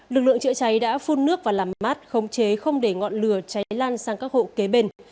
lực lượng chữa cháy đã phun nước và làm mát khống chế không để ngọn lửa cháy lan sang các hộ kế bên